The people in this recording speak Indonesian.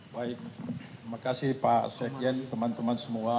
baik terima kasih pak sekjen teman teman semua